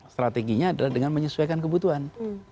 strateginya adalah dengan menyesuaikan kebutuhan